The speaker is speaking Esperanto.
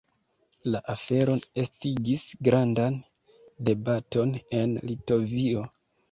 La afero estigis grandan debaton en Litovio.